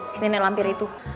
si nenek lampir itu